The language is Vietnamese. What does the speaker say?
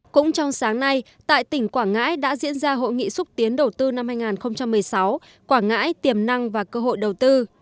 cũng trong sáng nay tại tỉnh quảng ngãi đã diễn ra hội nghị xúc tiến đầu tư năm hai nghìn một mươi sáu quảng ngãi tiềm năng và cơ hội đầu tư